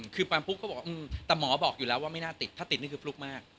คือความปลุกเขาบอกว่าแต่หมอบอกอยู่แล้วว่าไม่น่าติดถ้าติดนี่คือฟลุกมาก